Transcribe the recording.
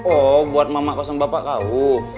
oh buat mama kau sama bapak kau